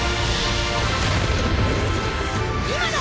今だ！